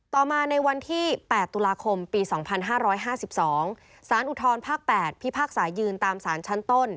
ต่อมาในวันที่๘ตุลาคมปี๒๕๕๒สารอุทธรภาค๘พิพากษายืนตามสารชั้นต้น